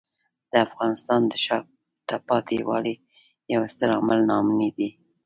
د افغانستان د شاته پاتې والي یو ستر عامل ناامني دی.